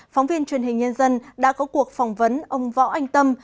phóng viên truyền hình nhân dân đã có cuộc phỏng vấn ông võ anh tâm